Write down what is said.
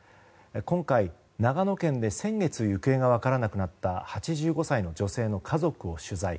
今回、長野県で先月行方が分からなくなった８５歳の女性の家族を取材。